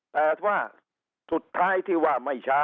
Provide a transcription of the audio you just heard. แต่ว่าสุดท้ายที่ว่าไม่ช้า